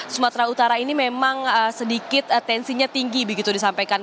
sumatera utara ini memang sedikit tensinya tinggi begitu disampaikan